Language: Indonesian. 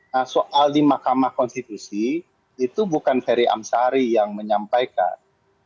nah soal di mahkamah konstitusi itu bukan ferry amsari yang menyampaikan